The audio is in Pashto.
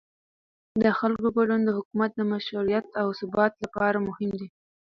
د خلکو ګډون د حکومت د مشروعیت او ثبات لپاره مهم دی